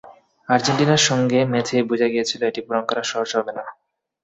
আর্জেন্টিনার সঙ্গে ম্যাচেই বোঝা গিয়েছিল এটি পূরণ করা সহজ হবে না।